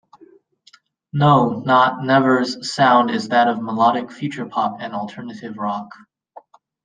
No.not.never's sound is that of melodic futurepop and alternative rock.